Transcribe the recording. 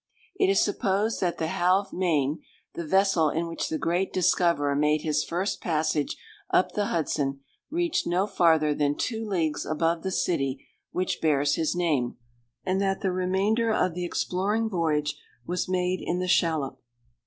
It is supposed that the Halve Mane, the vessel in which the great discoverer made his first passage up the Hudson, reached no farther than two leagues above the city which bears his name, and that the remainder of the exploring voyage was made in the shallop.